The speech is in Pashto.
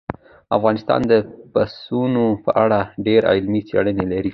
افغانستان د پسونو په اړه ډېرې علمي څېړنې لري.